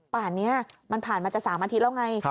ป่านนี้มันผ่านมาจะ๓อาทิตย์แล้วไง